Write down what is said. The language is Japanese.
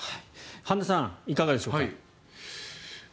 半田さんいかがでしょうか。